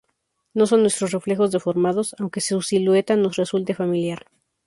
No son nuestros reflejos deformados, aunque su silueta nos resulte familiar.